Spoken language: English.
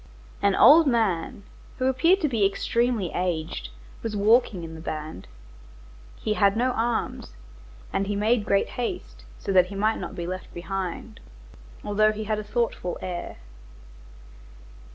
An old man, who appeared to be extremely aged, was walking in the band. He had no arms, and he made great haste, so that he might not be left behind, although he had a thoughtful air.